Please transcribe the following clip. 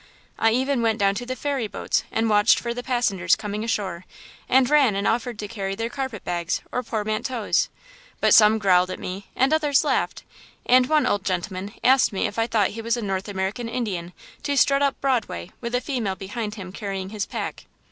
I even went down to the ferry boats and watched for the passengers coming ashore, and ran and offered to carry their carpet bags or portmanteaus; but some growled at me, and others laughed at me, and one old gentleman asked me if I thought he was a North American Indian to strut up Broadway with a female behind him carrying his pack.